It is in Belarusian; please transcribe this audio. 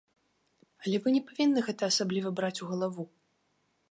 Але вы не павінны гэта асабліва браць у галаву.